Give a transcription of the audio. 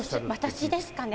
私ですかね？